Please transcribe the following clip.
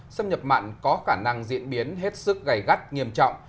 xâm nhập mặn có khả năng diễn biến hết sức gầy gắt nghiêm trọng